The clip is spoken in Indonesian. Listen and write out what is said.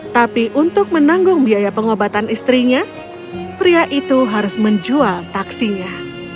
tapi untuk menanggung biaya pengobatan istrinya pria itu harus menjual taksinya